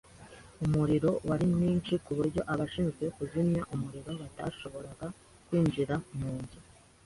Umuriro wari mwinshi kuburyo abashinzwe kuzimya umuriro batashoboraga kwinjira mu nzu.